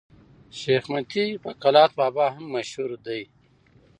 شېخ متي په کلات بابا هم مشهور دئ.